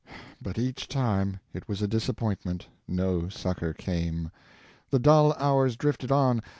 But each time it was a disappointment; no succor came. The dull hours drifted on.